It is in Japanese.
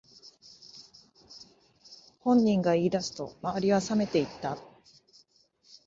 本人が言い出すと周りはさめていった